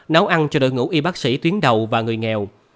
nấu ăn cho đội ngũ y bác sĩ tuyến đầu và người nghèo